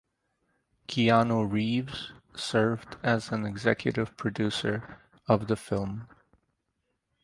Keanu Reeves served as an executive producer of the film.